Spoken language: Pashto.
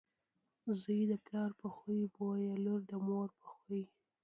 زوی دپلار په خوی بويه، لور دمور په خوی .